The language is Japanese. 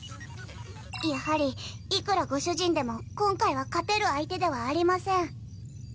やはりいくらご主人でも今回は勝てる相手ではありません。